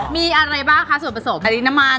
มีอะไรบ้างคะส่วนประสบ